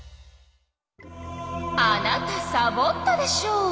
あなたサボったでしょ！